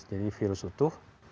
jadi virus utuh